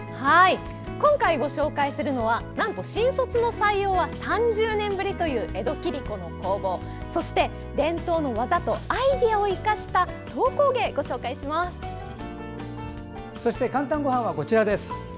今回ご紹介するのはなんと新卒の採用は３０年ぶりという江戸切子の工房そして、伝統の技とアイデアを生かしたそして「かんたんごはん」はこちらです。